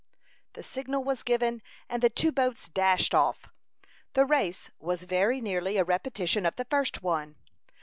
The signal was given, and the two boats dashed off. The race was very nearly a repetition of the first one.